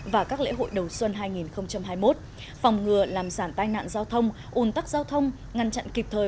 và các lễ hội đầu xuân hai nghìn hai mươi một phòng ngừa làm giảm tai nạn giao thông ủn tắc giao thông ngăn chặn kịp thời